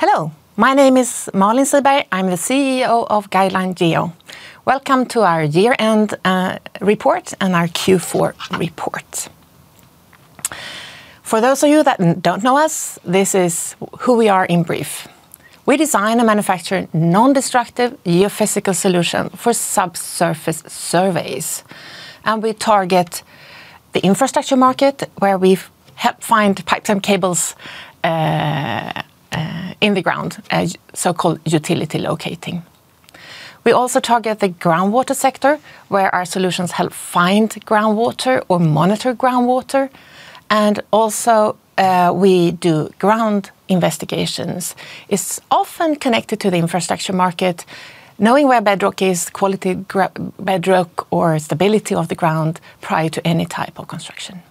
Hello, my name is Malin Siberg. I'm the CEO of Guideline Geo. Welcome to our year-end report and our Q4 report. For those of you that don't know us, this is who we are in brief. We design and manufacture non-destructive geophysical solution for subsurface surveys, and we target the infrastructure market, where we've helped find pipes and cables in the ground, as so-called utility locating. We also target the groundwater sector, where our solutions help find groundwater or monitor groundwater, and also we do ground investigations. It's often connected to the infrastructure market, knowing where bedrock is, quality bedrock, or stability of the ground prior to any type of construction.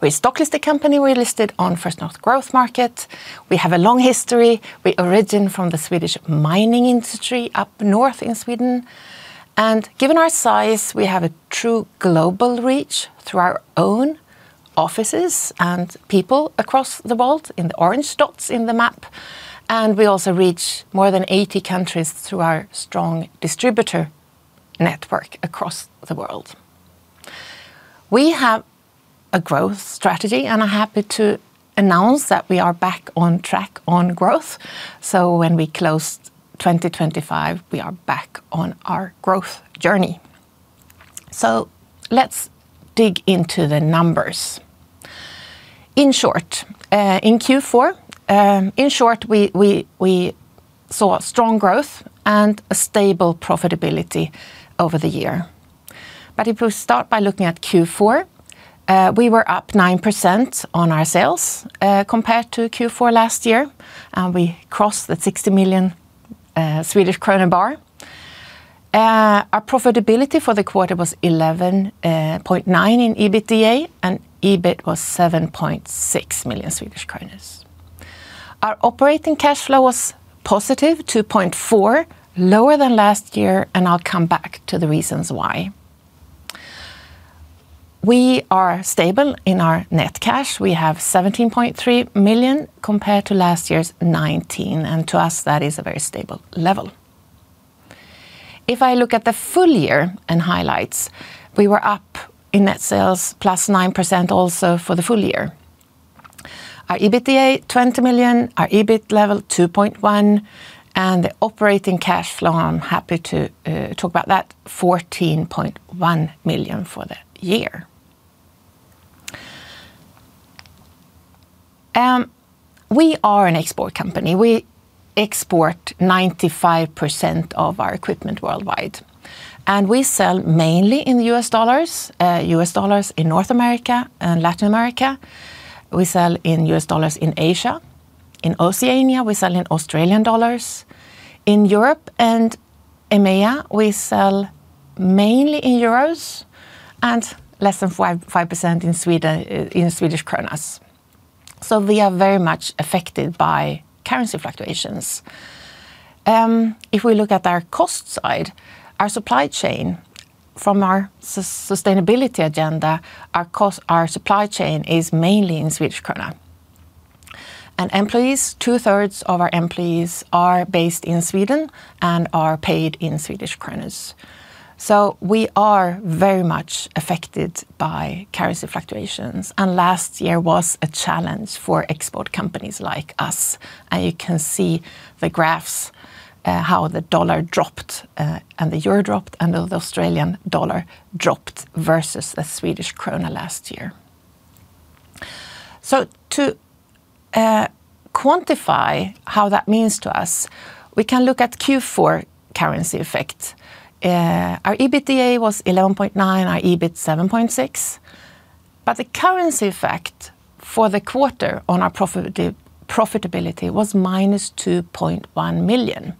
We're a stock listed company. We're listed on First North Growth Market. We have a long history. We originate from the Swedish mining industry up north in Sweden, and given our size, we have a true global reach through our own offices and people across the world, in the orange dots in the map, and we also reach more than 80 countries through our strong distributor network across the world. We have a growth strategy, and I'm happy to announce that we are back on track on growth. So when we closed 2025, we are back on our growth journey. So let's dig into the numbers. In short, we saw strong growth and a stable profitability over the year. But if we start by looking at Q4, we were up 9% on our sales, compared to Q4 last year, and we crossed the 60 million Swedish kronor bar. Our profitability for the quarter was 11.9% in EBITDA, and EBIT was 7.6 million Swedish kronor. Our operating cash flow was +2.4 million, lower than last year, and I'll come back to the reasons why. We are stable in our net cash. We have 17.3 million compared to last year's 19 million, and to us, that is a very stable level. If I look at the full year and highlights, we were up in net sales +9% also for the full year. Our EBITDA, 20 million, our EBIT level, 2.1 million, and the operating cash flow, I'm happy to talk about that, 14.1 million for the year. We are an export company. We export 95% of our equipment worldwide, and we sell mainly in US dollars, US dollars in North America and Latin America. We sell in US dollars in Asia. In Oceania, we sell in Australian dollars. In Europe and EMEA, we sell mainly in euros and less than 5% in Sweden in Swedish krona. So we are very much affected by currency fluctuations. If we look at our cost side, our supply chain from our sustainability agenda, our cost, our supply chain is mainly in Swedish krona. And employees, 2/3 of our employees are based in Sweden and are paid in Swedish krona. So we are very much affected by currency fluctuations, and last year was a challenge for export companies like us. And you can see the graphs, how the dollar dropped, and the euro dropped, and the Australian dollar dropped versus the Swedish krona last year. So to quantify how that means to us, we can look at Q4 currency effect. EBITDA was 11.9 million, our EBIT 7.6 million, but the currency effect for the quarter on our profitability was -2.1 million,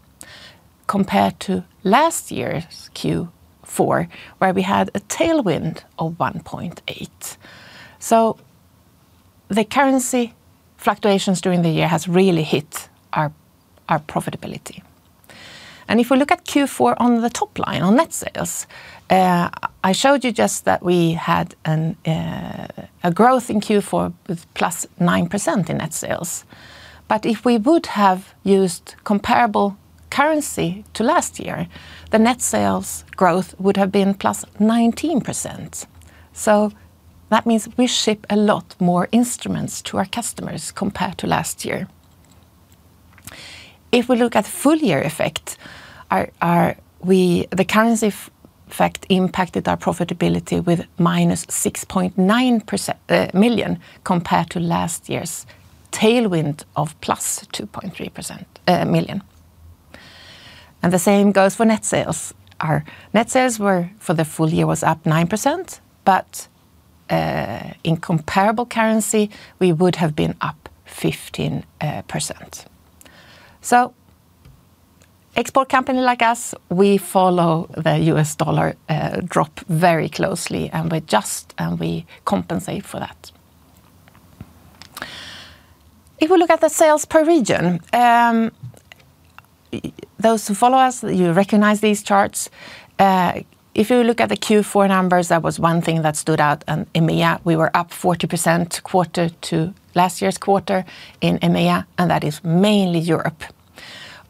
compared to last year's Q4, where we had a tailwind of 1.8 million. So the currency fluctuations during the year has really hit our profitability. If we look at Q4 on the top line, on net sales, I showed you just that we had a growth in Q4 with +9% in net sales. But if we would have used comparable currency to last year, the net sales growth would have been +19%. So that means we ship a lot more instruments to our customers compared to last year. If we look at full year effect, the currency effect impacted our profitability with -6.9 million, compared to last year's tailwind of +2.3 million. And the same goes for net sales. Our net sales were, for the full year, was up 9%, but, in comparable currency, we would have been up 15%. So export company like us, we follow the US dollar drop very closely, and we adjust, and we compensate for that. If we look at the sales per region, those who follow us, you recognize these charts. If you look at the Q4 numbers, that was one thing that stood out in EMEA. We were up 40% quarter to last year's quarter in EMEA, and that is mainly Europe.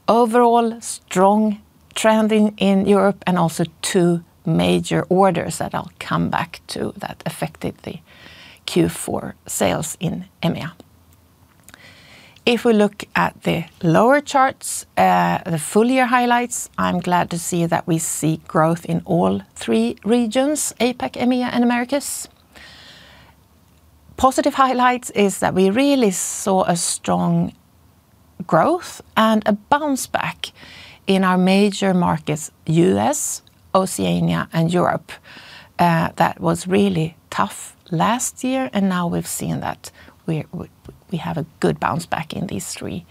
Overall, strong trending in Europe, and also two major orders that I'll come back to, that affected the Q4 sales in EMEA. If we look at the lower charts, the full year highlights, I'm glad to see that we see growth in all three regions: APAC, EMEA, and Americas. Positive highlights is that we really saw a strong growth and a bounce back in our major markets, U.S., Oceania, and Europe. That was really tough last year, and now we've seen that we have a good bounce back in these three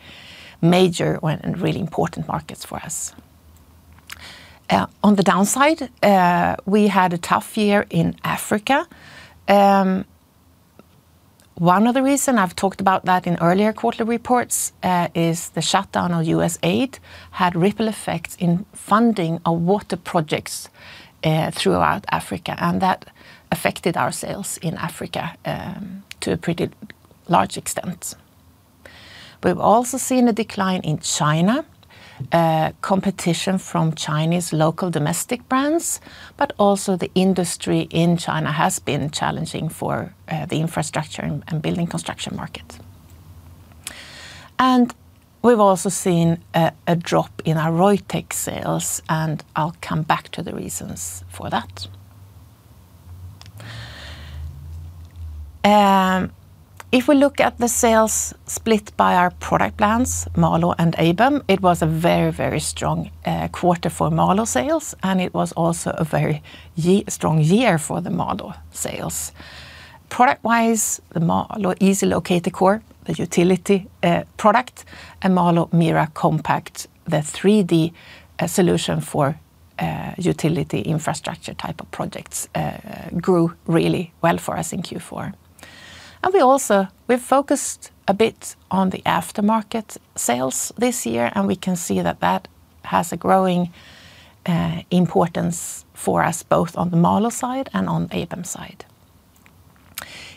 major one, and really important markets for us. On the downside, we had a tough year in Africa. One of the reason I've talked about that in earlier quarterly reports is the shutdown of U.S. aid had ripple effects in funding of water projects throughout Africa, and that affected our sales in Africa to a pretty large extent. We've also seen a decline in China. Competition from Chinese local domestic brands, but also the industry in China has been challenging for the infrastructure and building construction market. We've also seen a drop in our Reutech sales, and I'll come back to the reasons for that. If we look at the sales split by our product plans, MALÅ and ABEM, it was a very, very strong quarter for MALÅ sales, and it was also a very strong year for the MALÅ sales. Product-wise, the MALÅ Easy Locator Core, the utility product, and MALÅ MIRA Compact, the 3D solution for utility infrastructure type of projects, grew really well for us in Q4. And we also... We've focused a bit on the aftermarket sales this year, and we can see that that has a growing importance for us, both on the MALÅ side and on ABEM side.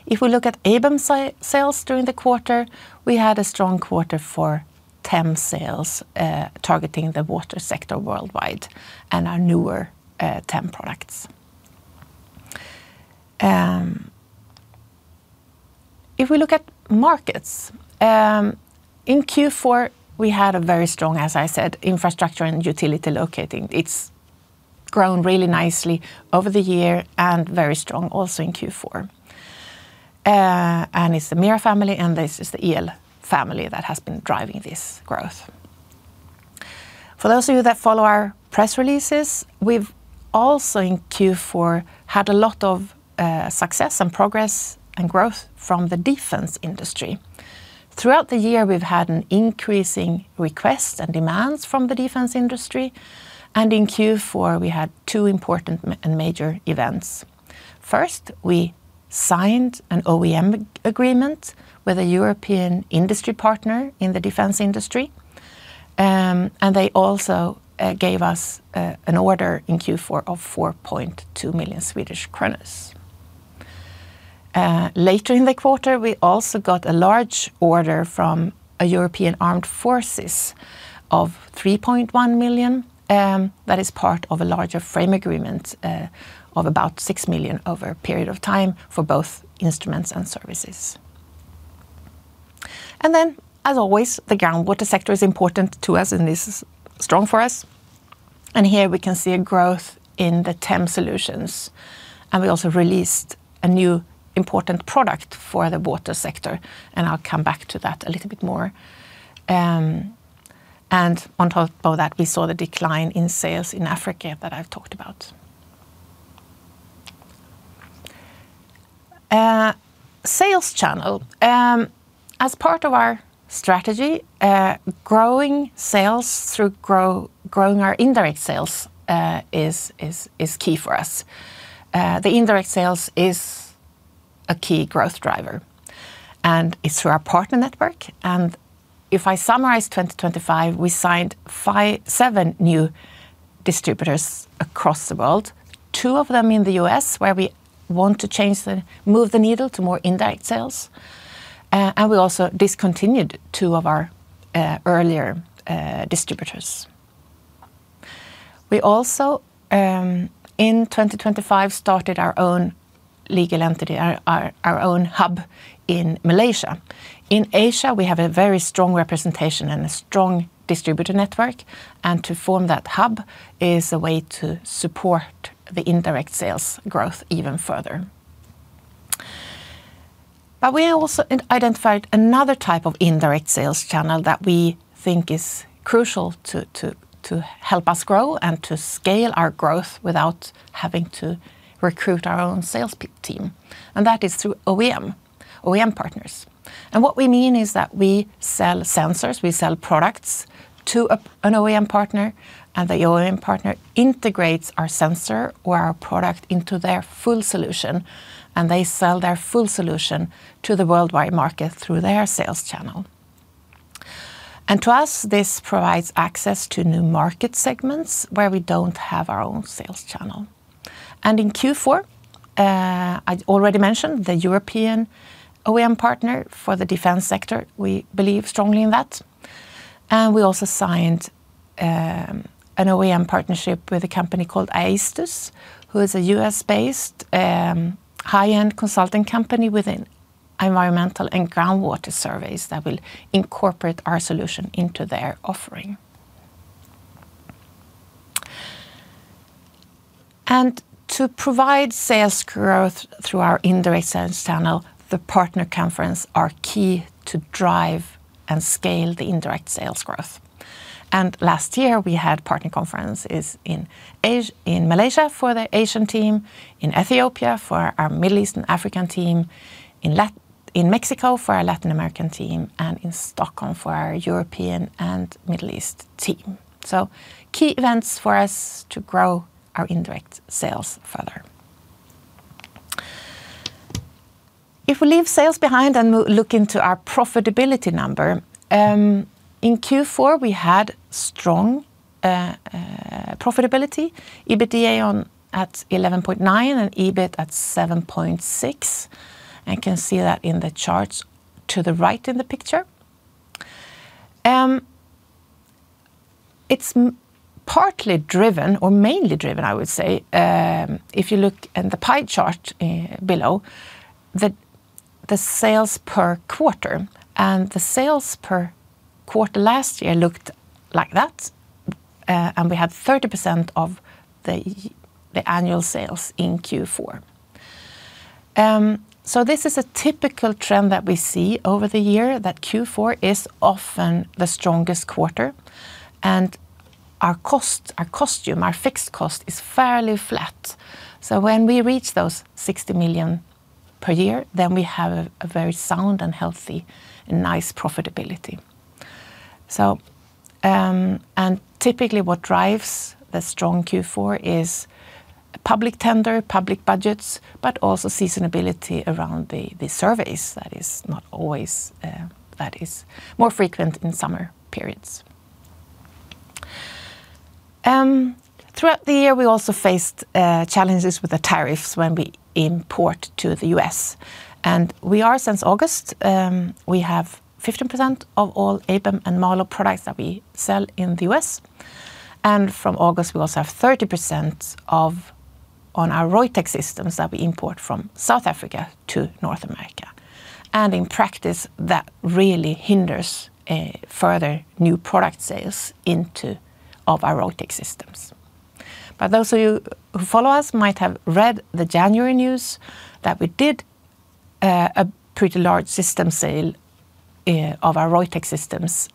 If we look at ABEM sales during the quarter, we had a strong quarter for TEM sales targeting the water sector worldwide and our newer TEM products. If we look at markets in Q4, we had a very strong, as I said, infrastructure and utility locating. It's grown really nicely over the year and very strong also in Q4. And it's the MIRA family, and this is the EL family that has been driving this growth. For those of you that follow our press releases, we've also in Q4 had a lot of success and progress and growth from the defense industry. Throughout the year, we've had an increasing request and demands from the defense industry, and in Q4 we had two important and major events. First, we signed an OEM agreement with a European industry partner in the defense industry, and they also gave us an order in Q4 of 4.2 million Swedish kronor. Later in the quarter, we also got a large order from a European armed forces of 3.1 million, that is part of a larger frame agreement of about 6 million over a period of time for both instruments and services. And then, as always, the groundwater sector is important to us, and this is strong for us. Here we can see a growth in the TEM solutions, and we also released a new important product for the water sector, and I'll come back to that a little bit more. On top of that, we saw the decline in sales in Africa that I've talked about. Sales channel. As part of our strategy, growing sales through growing our indirect sales is key for us. The indirect sales is a key growth driver, and it's through our partner network. If I summarize 2025, we signed seven new distributors across the world, two of them in the U.S., where we want to change the, move the needle to more indirect sales. And we also discontinued two of our earlier distributors. We also in 2025 started our own legal entity, our own hub in Malaysia. In Asia, we have a very strong representation and a strong distributor network, and to form that hub is a way to support the indirect sales growth even further. But we also identified another type of indirect sales channel that we think is crucial to help us grow and to scale our growth without having to recruit our own sales pitch team, and that is through OEM partners. And what we mean is that we sell sensors, we sell products to an OEM partner, and the OEM partner integrates our sensor or our product into their full solution, and they sell their full solution to the worldwide market through their sales channel.... To us, this provides access to new market segments where we don't have our own sales channel. In Q4, I already mentioned the European OEM partner for the defense sector. We believe strongly in that. We also signed an OEM partnership with a company called Aestus, who is a U.S.-based high-end consulting company within environmental and groundwater surveys that will incorporate our solution into their offering. To provide sales growth through our indirect sales channel, the partner conference are key to drive and scale the indirect sales growth. Last year, we had partner conferences in Malaysia for the Asian team, in Ethiopia for our Middle East and African team, in Mexico for our Latin American team, and in Stockholm for our European and Middle East team. So key events for us to grow our indirect sales further. If we leave sales behind and we'll look into our profitability number, in Q4, we had strong profitability, EBITDA at 11.9, and EBIT at 7.6, and can see that in the charts to the right in the picture. It's partly driven or mainly driven, I would say, if you look at the pie chart below, the sales per quarter. And the sales per quarter last year looked like that, and we had 30% of the annual sales in Q4. So this is a typical trend that we see over the year, that Q4 is often the strongest quarter, and our costs, our fixed costs, are fairly flat. So when we reach those 60 million per year, then we have a very sound and healthy, and nice profitability. Typically, what drives the strong Q4 is public tender, public budgets, but also seasonality around the surveys. That is not always. That is more frequent in summer periods. Throughout the year, we also faced challenges with the tariffs when we import to the U.S. And we are, since August, we have 15% of all ABEM and MALÅ products that we sell in the U.S. And from August, we also have 30% of, on our Reutech systems that we import from South Africa to North America. And in practice, that really hinders a further new product sales into, of our Reutech systems. But those of you who follow us might have read the January news that we did a pretty large system sale of our Reutech systems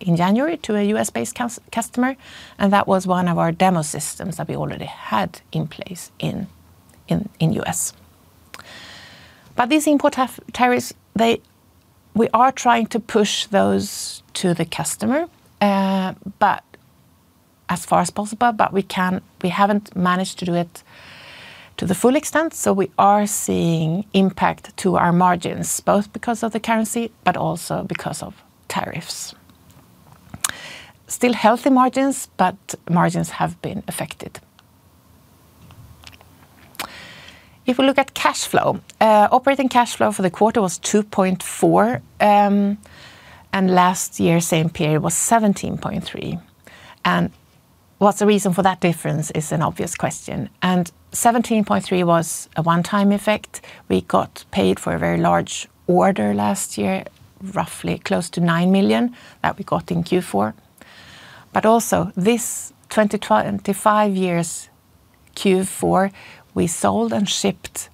in January to a U.S.-based customer, and that was one of our demo systems that we already had in place in the U.S. But these import tariffs, we are trying to push those to the customer as far as possible, but we can't. We haven't managed to do it to the full extent, so we are seeing impact to our margins, both because of the currency, but also because of tariffs. Still healthy margins, but margins have been affected. If we look at cash flow, operating cash flow for the quarter was 2.4, and last year same period was 17.3. What's the reason for that difference is an obvious question. 17.3 was a one-time effect. We got paid for a very large order last year, roughly close to 9 million, that we got in Q4. But also, this 2025's Q4, we sold and shipped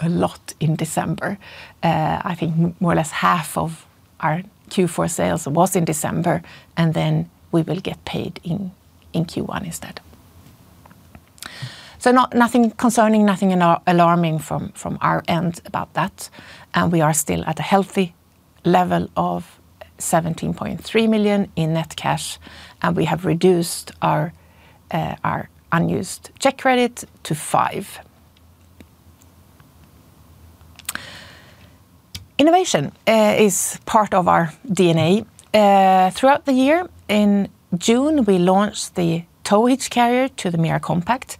a lot in December. I think more or less half of our Q4 sales was in December, and then we will get paid in Q1 instead. So not nothing concerning, nothing alarming from our end about that, and we are still at a healthy level of 17.3 million in net cash, and we have reduced our unused check credit to 5 million. Innovation is part of our DNA. Throughout the year, in June, we launched the tow hitch carrier to the MIRA Compact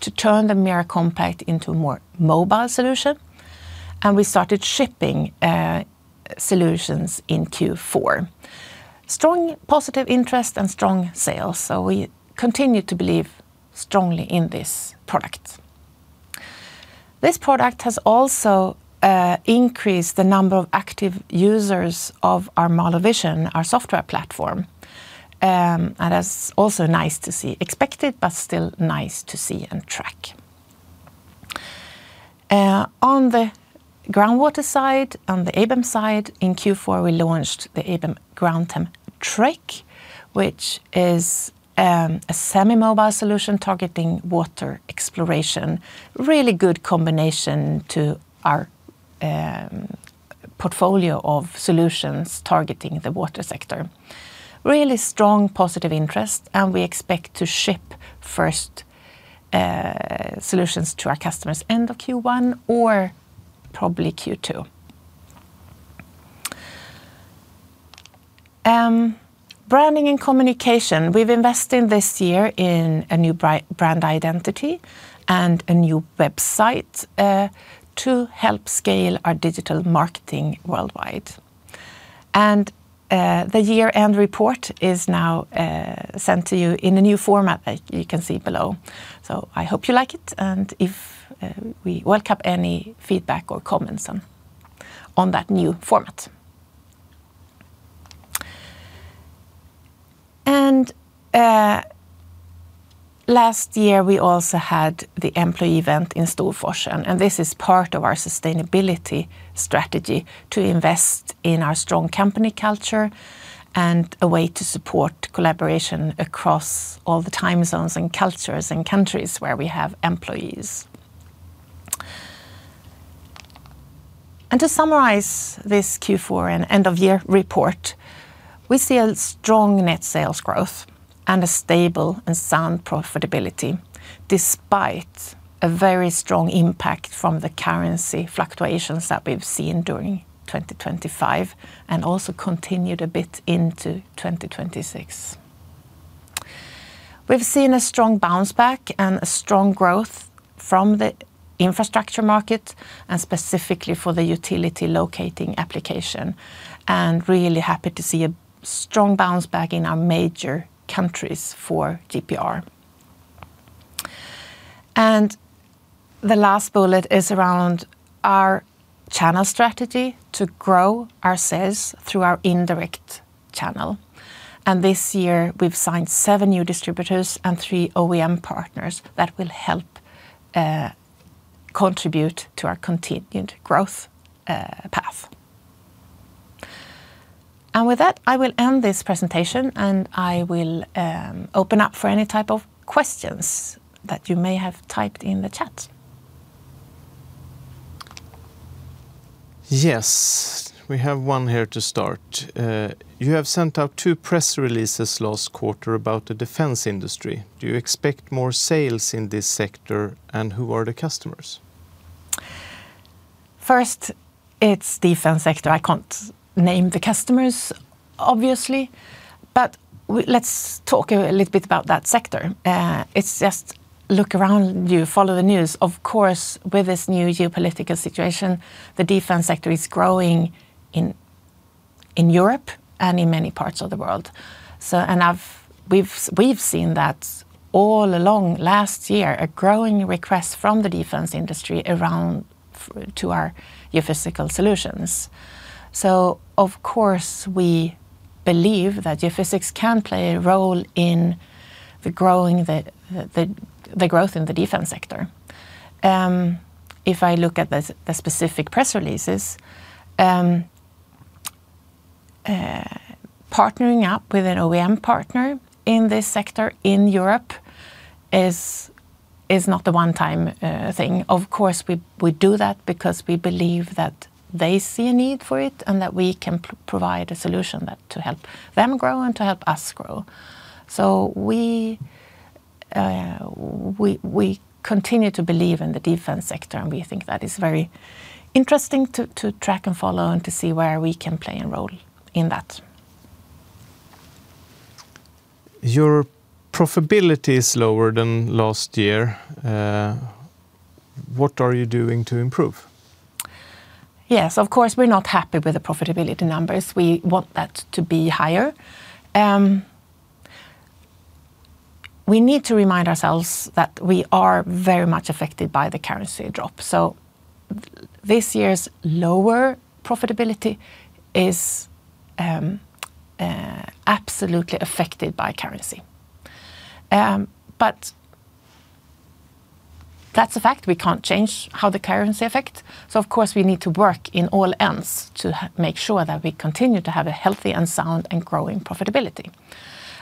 to turn the MIRA Compact into a more mobile solution, and we started shipping solutions in Q4. Strong, positive interest and strong sales, so we continue to believe strongly in this product. This product has also increased the number of active users of our MALÅ Vision, our software platform, and that's also nice to see. Expected, but still nice to see and track. On the groundwater side, on the ABEM side, in Q4, we launched the ABEM GroundTEM Trek, which is a semi-mobile solution targeting water exploration. Really good combination to our portfolio of solutions targeting the water sector. Really strong, positive interest, and we expect to ship first solutions to our customers end of Q1 or probably Q2. Branding and communication. We've invested this year in a new brand identity and a new website to help scale our digital marketing worldwide. The year-end report is now sent to you in a new format that you can see below. So I hope you like it, and if we welcome any feedback or comments on that new format. Last year, we also had the employee event in Storforsen, and this is part of our sustainability strategy to invest in our strong company culture and a way to support collaboration across all the time zones and cultures and countries where we have employees. To summarize this Q4 and end-of-year report, we see a strong net sales growth and a stable and sound profitability, despite a very strong impact from the currency fluctuations that we've seen during 2025 and also continued a bit into 2026. We've seen a strong bounce back and a strong growth from the infrastructure market, and specifically for the utility locating application, and really happy to see a strong bounce back in our major countries for GPR. The last bullet is around our channel strategy to grow our sales through our indirect channel. This year we've signed seven new distributors and three OEM partners that will help contribute to our continued growth path. With that, I will end this presentation, and I will open up for any type of questions that you may have typed in the chat. Yes, we have one here to start. You have sent out two press releases last quarter about the defense industry. Do you expect more sales in this sector, and who are the customers? First, it's defense sector. I can't name the customers, obviously, but let's talk a little bit about that sector. It's just look around you, follow the news. Of course, with this new geopolitical situation, the defense sector is growing in Europe and in many parts of the world. So we've seen that all along last year, a growing request from the defense industry to our geophysical solutions. So of course, we believe that geophysics can play a role in the growth in the defense sector. If I look at the specific press releases, partnering up with an OEM partner in this sector in Europe is not a one-time thing. Of course, we do that because we believe that they see a need for it, and that we can provide a solution that to help them grow and to help us grow. So we continue to believe in the defense sector, and we think that is very interesting to track and follow and to see where we can play a role in that. Your profitability is lower than last year. What are you doing to improve? Yes, of course, we're not happy with the profitability numbers. We want that to be higher. We need to remind ourselves that we are very much affected by the currency drop. So this year's lower profitability is absolutely affected by currency. But that's a fact. We can't change how the currency affect, so of course, we need to work in all ends to make sure that we continue to have a healthy and sound and growing profitability,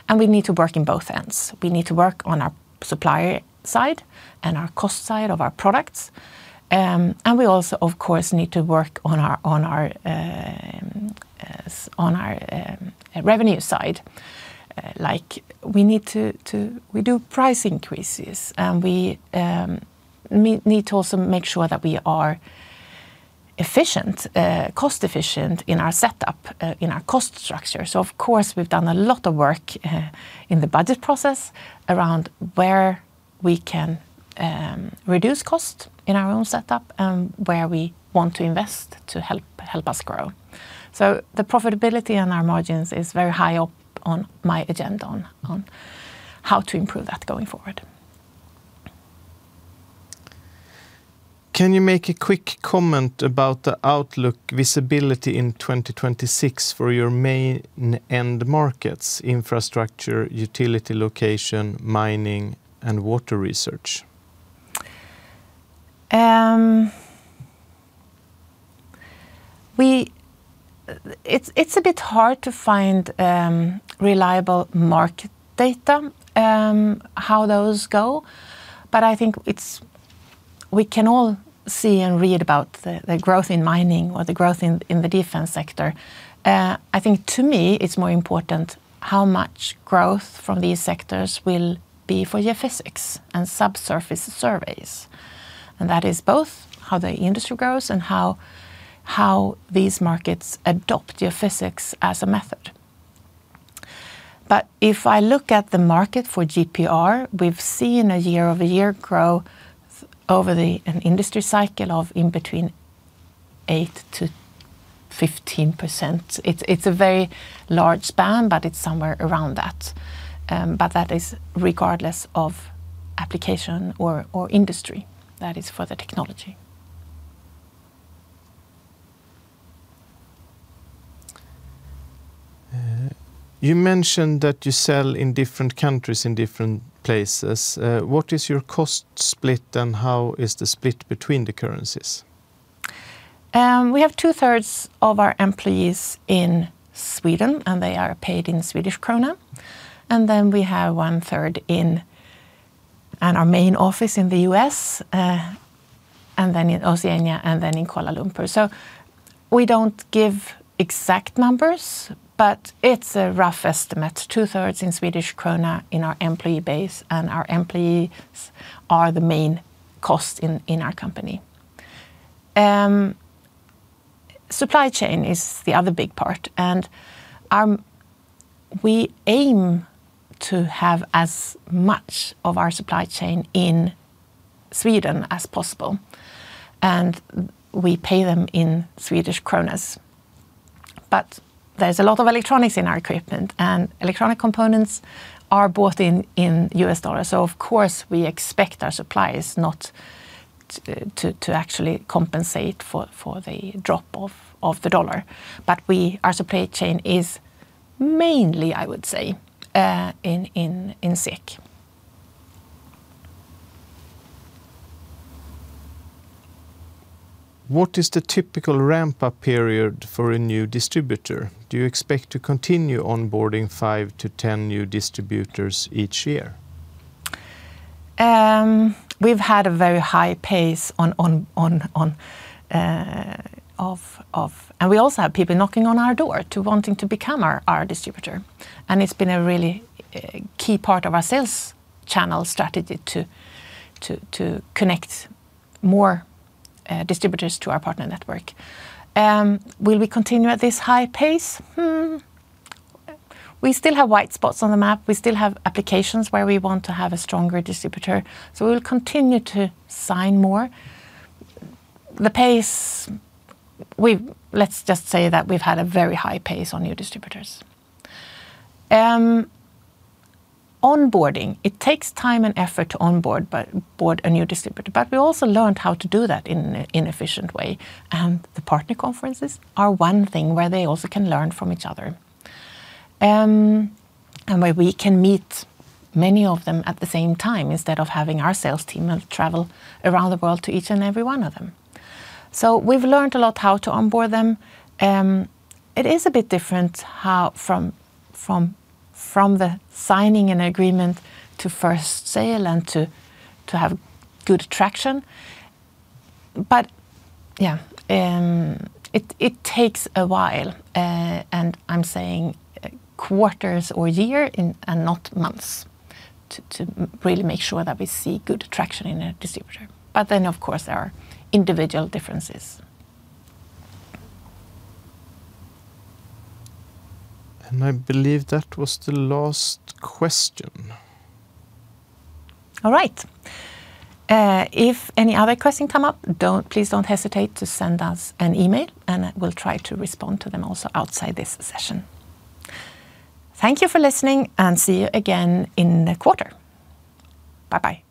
and we need to work in both ends. We need to work on our supplier side and our cost side of our products, and we also, of course, need to work on our revenue side. Like, we need to. We do price increases, and we need to also make sure that we are efficient, cost efficient in our setup, in our cost structure. So of course, we've done a lot of work in the budget process around where we can reduce cost in our own setup and where we want to invest to help us grow. So the profitability and our margins is very high up on my agenda on how to improve that going forward. Can you make a quick comment about the outlook visibility in 2026 for your main end markets: infrastructure, utility location, mining, and water research? It's a bit hard to find reliable market data how those go, but I think we can all see and read about the growth in mining or the growth in the defense sector. I think to me, it's more important how much growth from these sectors will be for geophysics and subsurface surveys, and that is both how the industry grows and how these markets adopt geophysics as a method. But if I look at the market for GPR, we've seen a year-over-year growth over an industry cycle of in between 8%-15%. It's a very large span, but it's somewhere around that. But that is regardless of application or industry, that is for the technology. You mentioned that you sell in different countries, in different places. What is your cost split, and how is the split between the currencies? We have 2/3 of our employees in Sweden, and they are paid in Swedish krona. And then we have 1/3 in and our main office in the U.S., and then in Oceania, and then in Kuala Lumpur. So we don't give exact numbers, but it's a rough estimate, 2/3 in Swedish krona in our employee base, and our employees are the main cost in our company. Supply chain is the other big part, and we aim to have as much of our supply chain in Sweden as possible, and we pay them in Swedish kronas. But there's a lot of electronics in our equipment, and electronic components are bought in US dollars, so of course, we expect our suppliers not to actually compensate for the drop-off of the dollar. But we. Our supply chain is mainly, I would say, in SEK. What is the typical ramp-up period for a new distributor? Do you expect to continue onboarding five to 10 new distributors each year? We've had a very high pace. And we also have people knocking on our door wanting to become our distributor, and it's been a really key part of our sales channel strategy to connect more distributors to our partner network. Will we continue at this high pace? We still have white spots on the map. We still have applications where we want to have a stronger distributor, so we'll continue to sign more. The pace we've had—let's just say that we've had a very high pace on new distributors. Onboarding it takes time and effort to onboard a new distributor. But we also learned how to do that in efficient way. The partner conferences are one thing where they also can learn from each other, and where we can meet many of them at the same time, instead of having our sales team travel around the world to each and every one of them. So we've learned a lot how to onboard them. It is a bit different how from the signing an agreement to first sale and to have good traction. But yeah, it takes a while, and I'm saying quarters or year and not months, to really make sure that we see good traction in a distributor. But then, of course, there are individual differences. I believe that was the last question. All right. If any other question come up, don't. Please don't hesitate to send us an email, and I will try to respond to them also outside this session. Thank you for listening, and see you again in the quarter. Bye-bye.